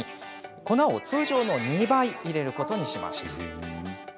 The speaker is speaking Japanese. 粉を通常の２倍入れることにしました。